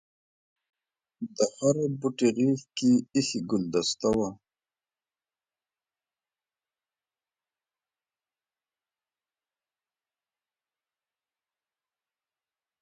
د هر بوټي غېږ کې ایښي ګلدسته وه.